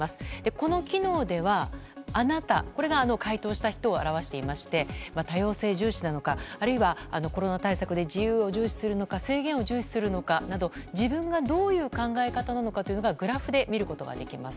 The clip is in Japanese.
この機能では、あなたこれが回答した人を表していまして多様性重視なのかあるいはコロナ対策で自由を重視するのか制限を重視するのかなど自分がどういう考え方なのかをグラフで見ることができます。